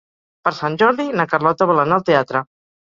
Per Sant Jordi na Carlota vol anar al teatre.